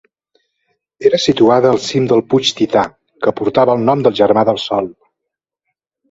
Era situada al cim del puig Tità, que portava el nom del germà del sol.